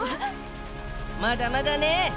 まだまだね。